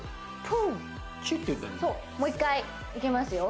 今もう一回いきますよ